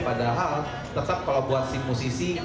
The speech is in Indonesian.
padahal tetap kalau buat si musisi